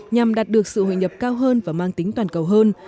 nhằm đạt được sự hội nhập cao hơn và mang tính toàn cầu hơn